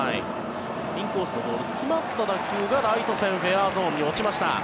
インコース詰まった打球がライト線フェアゾーンに落ちました。